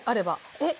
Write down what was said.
えっ？